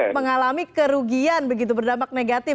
mengalami kerugian begitu berdampak negatif